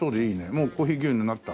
もうコーヒー牛乳になった？